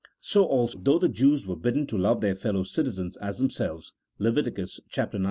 So also though the Jews were bidden to love their fellow citizens as themselves (Levit. xix.